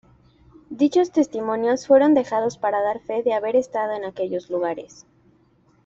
Dichos testimonios fueron dejados para dar fe de haber estado en aquellos lugares.